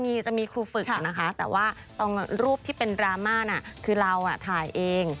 มีจะมีครูฝึกนะคะแต่ว่าตรงรูปที่เป็นดราม่าน่ะคือเราถ่ายเอง